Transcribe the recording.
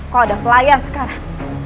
kau adalah pelayan sekarang